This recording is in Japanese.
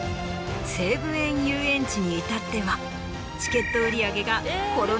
西武園ゆうえんちに至ってはチケット売り上げが。